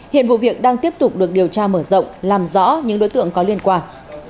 hiện vụ việc đang tiếp tục được điều tra mở rộng làm rõ những đối tượng có liên quan